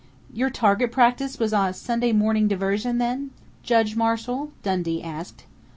"Your target practice was a Sunday morning diversion, then, Judge Marshall?" Dundee asked.